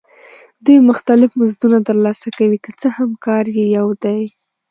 دوی مختلف مزدونه ترلاسه کوي که څه هم کار یې یو دی